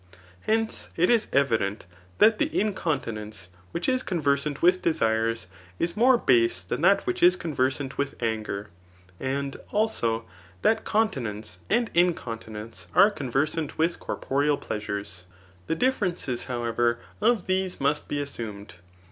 ' Hence, it is evident that the incontinence which is conversant with desires, is more base than that which is conversant with anger, and, also, that continence and incontinence are conversant with corporeal pleasures. The different ces, however, of these must be assumed.